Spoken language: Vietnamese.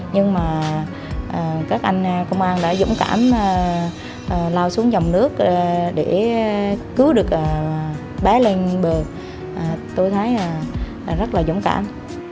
nhưng mà các anh công an đã dũng cảm lao xuống dòng nước để cứu được bé lên bờ tôi thấy rất là dũng cảm